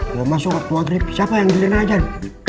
kalau masuk waktu agrip siapa yang dilena ajar